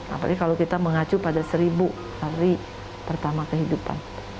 apalagi kalau kita mengacu pada seribu hari pertama kehidupan